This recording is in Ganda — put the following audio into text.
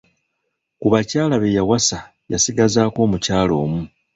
Ku bakyala be yawasa, yasigazaako omukyala omu.